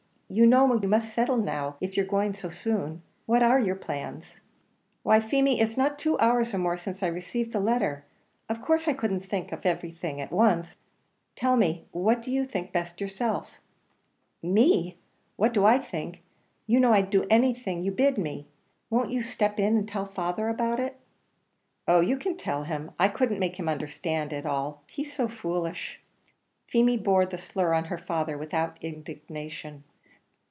You know you must settle now, if you're going so soon. What are your plans?" "Why, Feemy, it's not two hours or more since I've received the letter; of course I couldn't think of everything at once. Tell me; what do you think best yourself?" "Me! what do I think? you know I'd do anything you bid me. Won't you step in and tell father about it?" "Oh, you can tell him. I couldn't make him understand it at all, he's so foolish." Feemy bore the slur on her father without indignation.